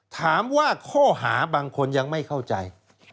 ถามว่าข้อหาบางคนยังไม่เข้าใจ